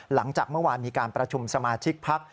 หลังจากเมื่อวานมีการประชุมสมาชิกพัก